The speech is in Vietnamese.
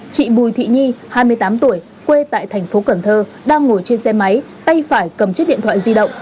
chị bùi thị nhi hai mươi tám tuổi quê tại thành phố cần thơ đang ngồi trên xe máy tay phải cầm chiếc điện thoại di động